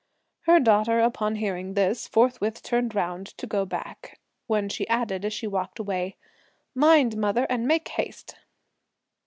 Her daughter, upon hearing this, forthwith turned round to go back, when she added as she walked away, "Mind, mother, and make haste."